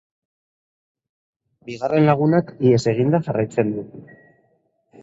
Bigarren lagunak ihes eginda jarraitzen du.